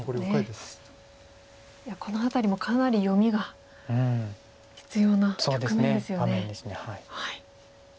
いやこの辺りもかなり読みが必要な局面ですよね。